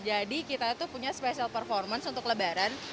jadi kita tuh punya special performance untuk lebaran